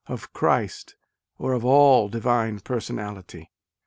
of Christ or of all divine personality?"